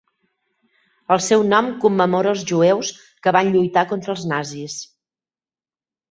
El seu nom commemora als jueus que van lluitar contra els nazis.